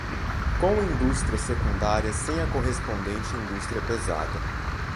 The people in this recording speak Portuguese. com indústria secundária sem a correspondente indústria pesada